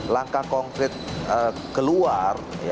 langkah konkret keluar